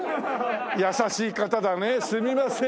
優しい方だねすみません。